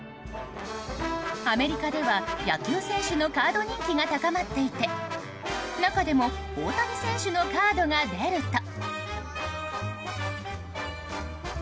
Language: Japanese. アメリカでは野球選手のカード人気が高まっていて中でも大谷選手のカードが出ると。